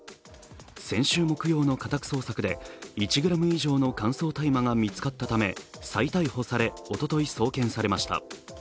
先週木曜の家宅捜索で１ｇ以上の乾燥大麻が見つかったため再逮捕されおととい送検されました。